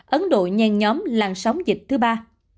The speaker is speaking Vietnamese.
ấn độ nhanh nhóm làn sóng dịch thứ ba